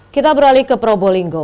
kita beralih ke probolinggo